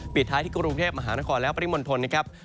ปีท้ายที่กรุงเทพหมาศครและปริมวลธนตร์นะครับ